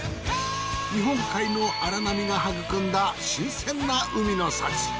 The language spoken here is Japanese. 日本海の荒波が育んだ新鮮な海の幸。